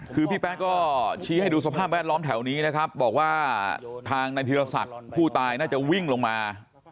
คือพี่แป๊ก็ชี้ให้ดูสภาพแวดล้อมแถวนี้นะครับบอกว่าทางนายธีรศักดิ์ผู้ตายน่าจะวิ่งลงมา